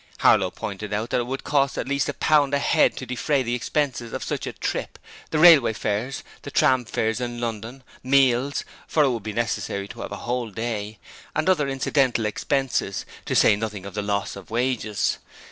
Harlow pointed out that it would cost at least a pound a head to defray the expenses of such a trip. The railway fares, tram fares in London, meals for it would be necessary to have a whole day and other incidental expenses; to say nothing of the loss of wages.